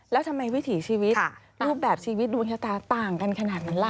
แล้วทำไมวิถีชีวิตรูปแบบชีวิตดวงชะตาต่างกันขนาดนั้นล่ะ